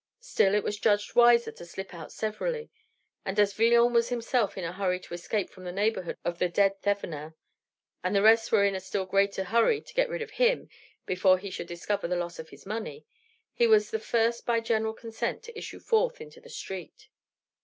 Still it was judged wiser to slip out severally; and as Villon was himself in a hurry to escape from the neighborhood of the dead Thevenin, and the rest were in a still greater hurry to get rid of him before he should discover the loss of his money, he was the first by general consent to issue forth into the street.